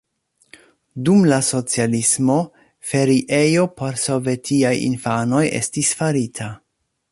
Dum la socialismo feriejo por sovetiaj infanoj estis farita.